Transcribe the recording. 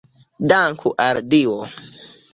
Danku al Dio!